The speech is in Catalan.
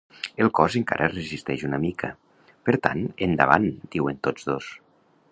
El cos encara es resisteix una mica… Per tant, endavant, diuen tots dos.